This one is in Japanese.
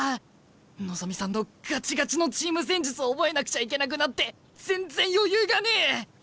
望さんのガチガチのチーム戦術を覚えなくちゃいけなくなって全然余裕がねえ！